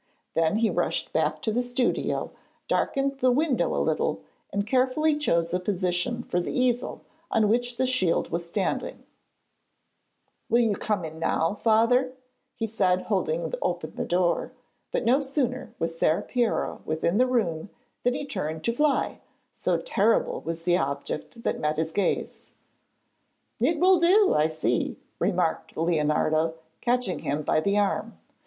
Then he rushed back to the studio, darkened the window a little, and carefully chose a position for the easel on which the shield was standing. [Illustration: LEONARDO FRIGHTENS HIS FATHER WITH THE MONSTER PAINTED ON HIS SHIELD.] 'Will you come in now, father?' he said holding open the door, but no sooner was Ser Piero within the room than he turned to fly, so terrible was the object that met his gaze. 'It will do, I see,' remarked Leonardo, catching him by the arm.